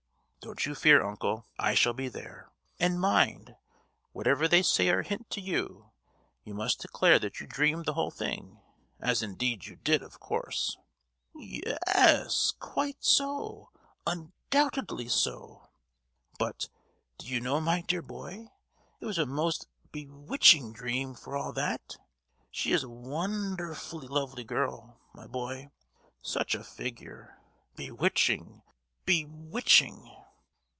"Don't you fear, uncle! I shall be there! And mind, whatever they say or hint to you, you must declare that you dreamed the whole thing—as indeed you did, of course?" "Ye—yes, quite so, un—doubtedly so! But, do you know my dear boy, it was a most be—witching dream, for all that! She is a wond—erfully lovely girl, my boy,—such a figure—bewitching—be—witching!"